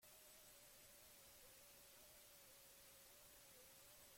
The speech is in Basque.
Eta Euskal Herriaren historia konplikatua?